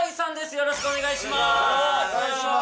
よろしくお願いします